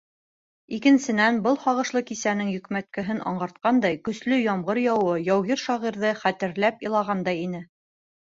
Икенсенән, был һағышлы кисәнең йөкмәткеһен аңғартҡандай, көслө ямғыр яуыуы яугир-шағирҙы хәтерләп илағандай ине.